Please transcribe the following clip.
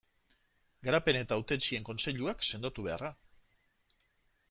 Garapen eta Hautetsien kontseiluak sendotu beharra.